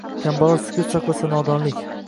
Kambag’al sukut saqlasa-nodonlik.